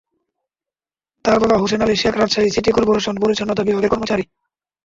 তাঁর বাবা হোসেন আলী শেখ রাজশাহী সিটি করপোরেশনের পরিচ্ছন্নতা বিভাগের কর্মচারী।